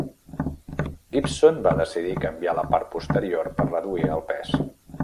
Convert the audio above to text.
Gibson va decidir canviar la part posterior per reduir el pes.